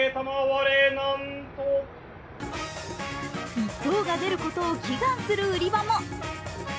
１等が出ることを祈願する売り場も。